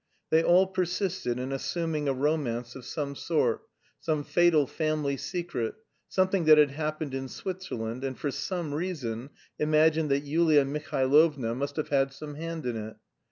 They all persisted in assuming a romance of some sort, some fatal family secret, something that had happened in Switzerland, and for some reason imagined that Yulia Mihailovna must have had some hand in it.